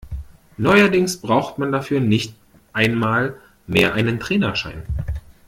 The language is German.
Neuerdings braucht man dafür nicht einmal mehr einen Trainerschein.